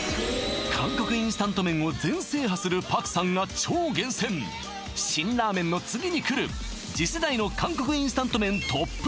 韓国インスタント麺を全制覇するパクさんが超厳選辛ラーメンの次にくる次世代の韓国インスタント麺ＴＯＰ